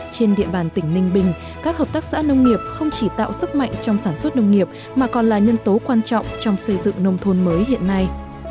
trên địa bàn tỉnh ninh bình các hợp tác xã nông nghiệp không chỉ tạo sức mạnh trong sản xuất nông nghiệp mà còn là nhân tố quan trọng trong xây dựng nông thôn mới hiện nay